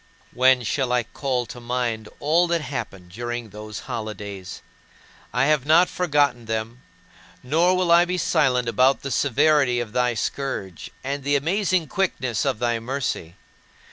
12. When shall I call to mind all that happened during those holidays? I have not forgotten them; nor will I be silent about the severity of thy scourge, and the amazing quickness of thy mercy.